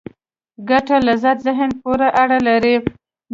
ګټه لذت ذهن پورې اړه لري.